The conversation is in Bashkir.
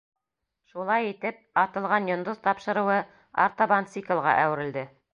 Шулай итеп, «Атылған йондоҙ» тапшырыуы артабан циклға әүерелде».